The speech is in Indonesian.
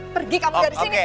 pergi kamu dari sini